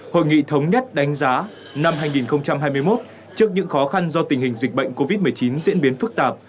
hội nghị thống nhất đánh giá năm hai nghìn hai mươi một trước những khó khăn do tình hình dịch bệnh covid một mươi chín diễn biến phức tạp